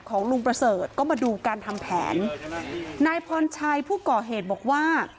ของลุงประเสริฐก็มาดูการทำแผนนายพรชัยผู้ก่อเหตุบอกว่า